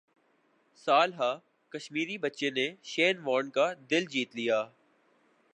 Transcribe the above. سالہ کشمیری بچے نے شین وارن کا دل جیت لیا